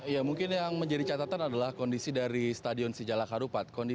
ya mungkin yang menjadi catatan adalah kondisi dari stadion sijalak harupat